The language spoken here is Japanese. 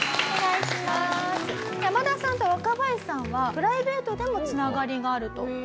山田さんと若林さんはプライベートでも繋がりがあると。